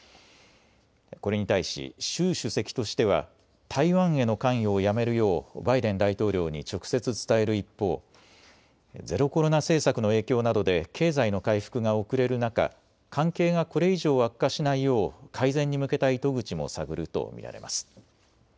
これに対し習主席としては台湾への関与をやめるようバイデン大統領に直接伝える一方、ゼロコロナ政策の影響などで経済の回復が遅れる中、関係がこれ以上悪化しないよう改善に向けた糸口も探ると見られます。